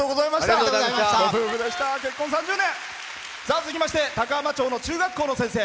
続きまして高浜町の中学校の先生。